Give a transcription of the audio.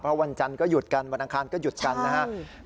เพราะวันจันทร์ก็หยุดกันวันอังคารก็หยุดกันนะครับ